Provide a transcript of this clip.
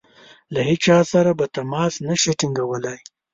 له هیچا سره به تماس نه شي ټینګولای.